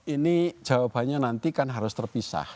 ini jawabannya nanti kan harus terpisah